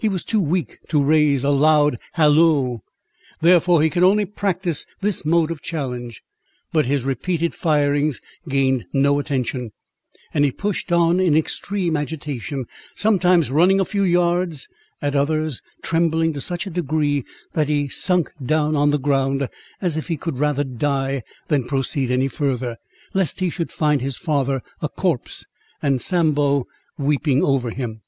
He was too weak to raise a loud halloo, therefore he could only practise this mode of challenge; but his repeated firings gained no attention; and he pushed on in extreme agitation, sometimes running a few yards, at others trembling to such a degree, that he sunk down on the ground, as if he could rather die than proceed any further, lest he should find his father a corpse, and Sambo weeping over him.